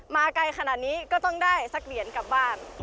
มาไกลขนาดนี้ก็ต้องได้สักเหรียญกลับบ้าน